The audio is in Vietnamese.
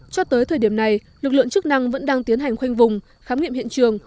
cho tới thời điểm này lực lượng chức năng vẫn đang tiến hành khoanh vùng khám nghiệm hiện trường